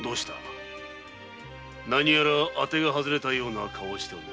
何やら当てが外れたような顔をしておるが。